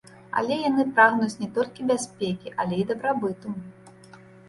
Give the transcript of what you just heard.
Але яны прагнуць не толькі бяспекі, але і дабрабыту.